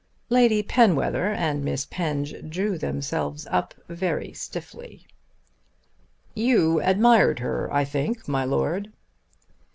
Lady Penwether and Miss Penge drew themselves up very stiffly. "You admired her, I think, my Lord."